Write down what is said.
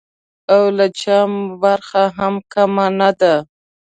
او له چا مو برخه هم کمه نه ده.